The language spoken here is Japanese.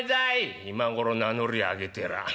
「今頃名乗り上げてらあ。